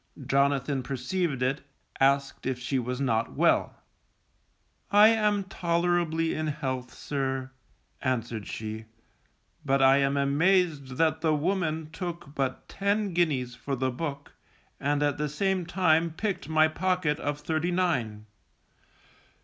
Jonathan perceived it, asked if she was not well. I am tolerably in health, sir, answered she, _but I am amazed that the woman took but ten guineas for the book, and at the same time picked my pocket of thirty nine.